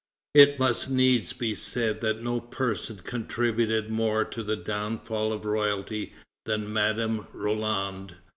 It must needs be said that no person contributed more to the downfall of royalty than Madame Roland.